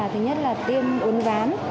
thứ nhất là tiêm ốn ván